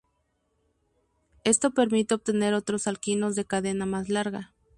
Esto permite obtener otros alquinos de cadena más larga.